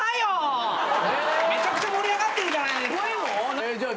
めちゃくちゃ盛り上がってるじゃないですか。